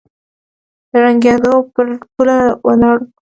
د ړنګېدو پر پوله ولاړ و